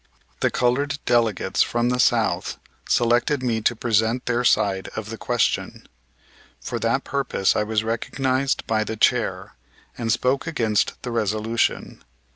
The colored delegates from the South selected me to present their side of the question. For that purpose I was recognized by the chair, and spoke against the resolution.